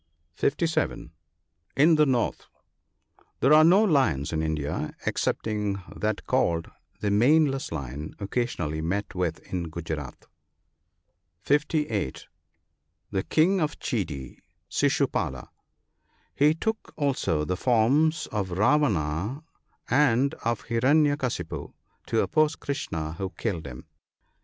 (57.) In the north. — There are no lions in India, excepting that called " the maneless lion," occasionally met with in Guzerat. (58.) The King of Chedi. — Shishupala ; he took also the forms of Ravana and of Hiranya Kasipu, to oppose Krishna, who killed him.